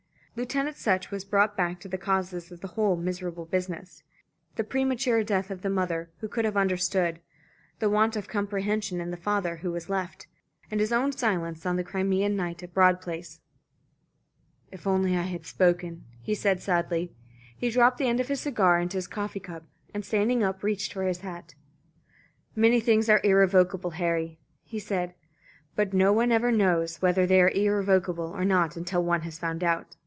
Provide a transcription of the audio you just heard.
Lieutenant Sutch was brought back to the causes of the whole miserable business: the premature death of the mother, who could have understood; the want of comprehension in the father, who was left; and his own silence on the Crimean night at Broad Place. "If only I had spoken," he said sadly. He dropped the end of his cigar into his coffee cup, and standing up, reached for his hat. "Many things are irrevocable, Harry," he said, "but one never knows whether they are irrevocable or not until one has found out.